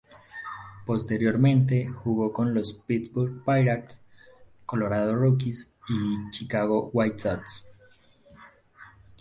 Posteriormente, jugó con los Pittsburgh Pirates, Colorado Rockies y Chicago White Sox.